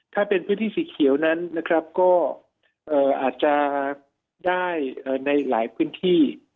ถ้าเป็นพื้นที่สีเขียวนั้นนะครับก็อาจจะได้ในหลายพื้นที่